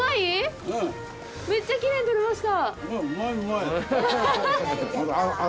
めっちゃきれいに取れました。